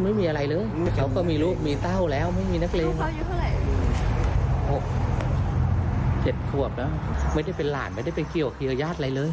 ไม่ได้เป็นหลานไม่ได้เป็นเกี่ยวยาดอะไรเลย